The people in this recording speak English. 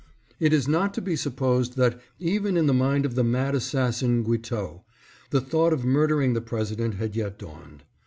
It is not to be sup posed that, even in the mind of the mad assassin Guiteau, the thought of murdering the President had yet dawned.